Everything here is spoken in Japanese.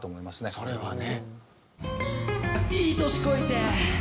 それはね。